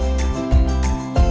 oh pakai ikan